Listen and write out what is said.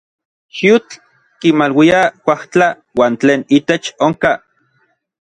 Xiutl kimaluia kuajtla uan tlen itech onka.